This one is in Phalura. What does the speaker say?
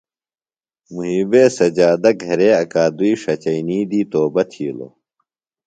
محیبے سجادہ گھرے اکادئی ݜچئینی دی توبہ تِھلوۡ۔